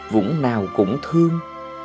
vũng nào cũng thương